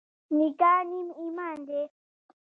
نکاح نیم ایمان دی.